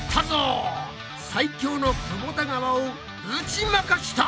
最強のくぼた川を打ち負かした！